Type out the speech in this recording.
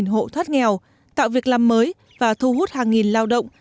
hộ thoát nghèo tạo việc làm mới và thu hút hàng nghìn lao động